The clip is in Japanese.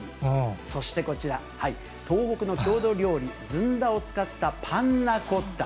そしてこちら、東北の郷土料理、ずんだを使ったパンナコッタ。